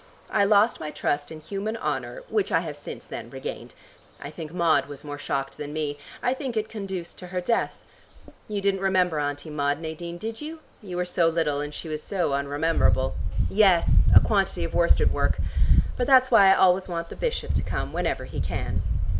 I lost my trust in human honor, which I have since then regained. I think Maud was more shocked than me. I think it conduced to her death. You didn't remember Auntie Maud, Nadine, did you? You were so little and she was so unrememberable. Yes; a quantity of worsted work. But that's why I always want the bishop to come whenever he can."